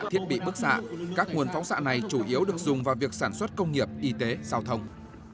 thiết bị bức xạ các nguồn phóng xạ này chủ yếu được dùng vào việc sản xuất công nghiệp y tế giao thông